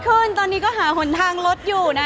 คือบอกเลยว่าเป็นครั้งแรกในชีวิตจิ๊บนะ